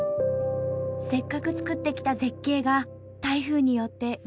せっかくつくってきた絶景が台風によって水の泡。